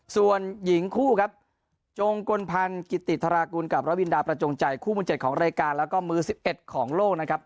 ส่วนหญิงคู่ครับจงกลพันธ์กิติธรากุลกับรวินดาประจงใจคู่มือ๗ของรายการแล้วก็มือ๑๑ของโลกนะครับ